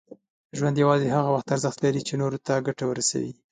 ژوند یوازې هغه وخت ارزښت لري، چې نور ته ګټه ورسوي.